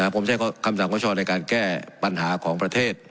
ผมใช้คำสั่งประชาในการแก้ปัญหาของประเทศ